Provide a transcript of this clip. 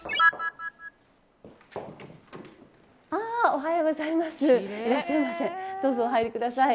おはようございます。